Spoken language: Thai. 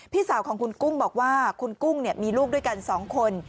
พี่สาวของคุณกุ้งบอกว่าคุณกุ้งมีลูกด้วยกัน๒คน